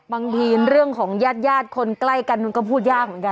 บางทีเรื่องของญาติคนใกล้กันมันก็พูดยากเหมือนกัน